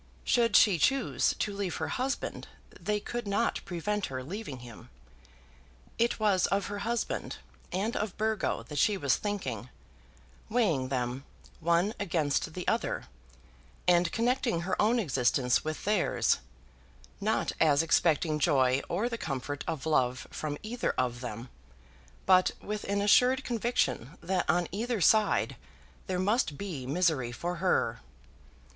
Should she choose to leave her husband, they could not prevent her leaving him. It was of her husband and of Burgo that she was thinking, weighing them one against the other, and connecting her own existence with theirs, not as expecting joy or the comfort of love from either of them, but with an assured conviction that on either side there must be misery for her.